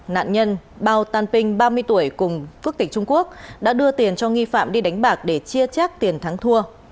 nạn nhân bao tan pinh ba mươi tuổi cùng quốc tịch trung quốc đã đưa tiền cho nghi phạm đi đánh bạc để chia chác tiền thắng thua